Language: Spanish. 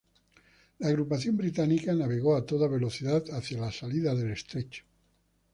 La agrupación británica navegó a toda velocidad hacía la salida del Estrecho.